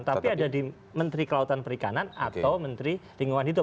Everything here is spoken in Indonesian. tapi ada di menteri kelautan perikanan atau menteri lingkungan hidup